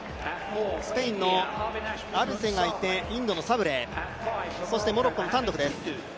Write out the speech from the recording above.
スペインのアルセがいてインドのサブレ、モロッコです。